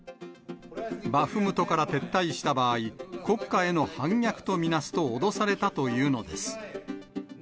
バフムトから撤退した場合、国家への反逆と見なすと、脅されたというのです。